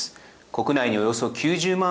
国内におよそ９０万